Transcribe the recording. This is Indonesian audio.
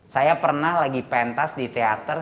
saya pernah lagi pentas di teater